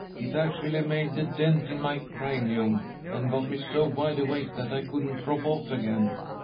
It actually made a dent in my cranium and got me so wide awake that I couldn't drop off again.